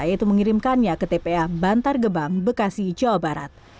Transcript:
yaitu mengirimkannya ke tpa bantar gebang bekasi jawa barat